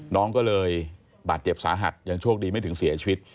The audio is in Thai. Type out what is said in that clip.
น้องก็เลยบาดเจ็บสาหัสยังโชคดีไม่ถึงเสียชีวิต